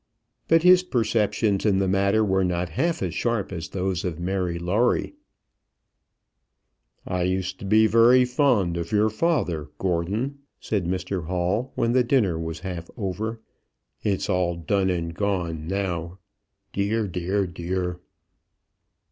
But his perceptions in the matter were not half as sharp as those of Mary Lawrie. "I used to be very fond of your father, Gordon," said Mr Hall, when the dinner was half over. "It's all done and gone now. Dear, dear, dear!"